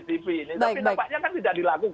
tapi nampaknya kan tidak dilakukan